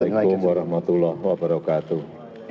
assalamu'alaikum warahmatullahi wabarakatuh